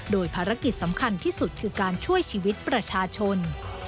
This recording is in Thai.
โดยภารกิจสำคัญที่สุดคือการช่วยชีวิตประชาชน